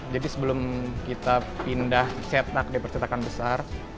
jadi sebelum kita pindah cetak di percetakan besar